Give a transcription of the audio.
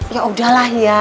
ya udahlah ya